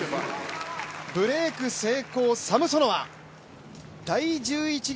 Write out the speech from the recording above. ブレーク成功、サムソノワ。